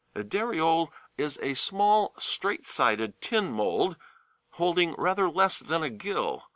A dariole is a small straight sided tin mould, holding rather less than a gill.